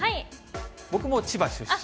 僕も千葉出身。